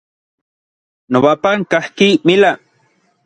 Nobapan kajki mila.